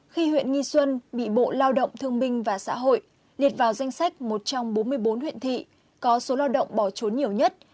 khi huyện nghi xuân bị bộ lao động thương minh và xã hội liệt vào danh sách một trong bốn mươi bốn huyện thị có số lao động bỏ trốn nhiều nhất